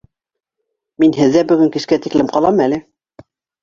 Мин һеҙҙә бөгөн кискә тиклем ҡалам әле.